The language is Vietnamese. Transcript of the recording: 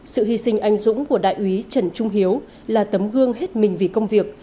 sự hy sinh anh dũng của đại úy trần trung hiếu là tấm gương hết mình vì công việc